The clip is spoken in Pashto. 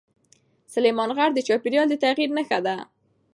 سلیمان غر د چاپېریال د تغیر نښه ده.